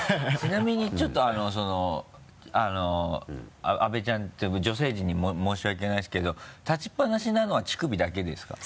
ちなみにちょっとそのあの阿部ちゃんっていうか女性陣に申し訳ないですけど立ちっぱなしなのは乳首だけですか？